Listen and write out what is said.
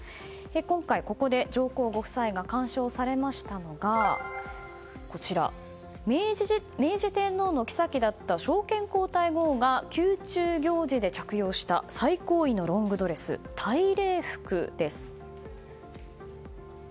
今回、ここで上皇ご夫妻が鑑賞されましたのが明治天皇のきさきだった昭憲皇太后が宮中行事で着用した最高位のロングドレス大礼服です。